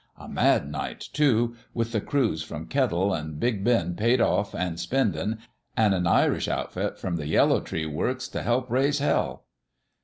A mad night, too with the crews from Kettle an' Big Bend paid off an' spendin', an' an Irish outfit from the Yellow Tree works t' help raise hell.